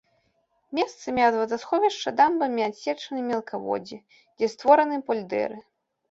Месцамі ад вадасховішча дамбамі адсечаны мелкаводдзі, дзе створаны польдэры.